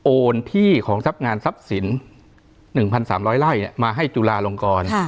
โอนที่ของทรัพย์งานทรัพย์สินหนึ่งพันสามร้อยไร่เนี่ยมาให้จุฬาลงกรค่ะ